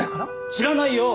知らないよ！